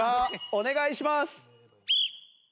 お願いします。